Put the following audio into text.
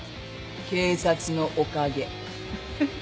警察のおかげ。